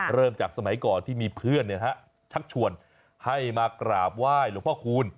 เริ่มจากสมัยก่อนที่มีเพื่อนชักชวนให้มากราบไหว้หลวงพ่อคูณ